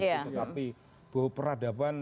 tetapi bahwa peradaban